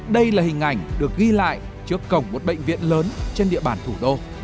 đây là hình ảnh được ghi lại trước cổng một bệnh viện lớn trên địa bàn thủ đô